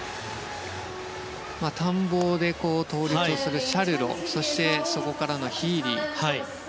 単棒で倒立するシャルロそして、そこからのヒーリー。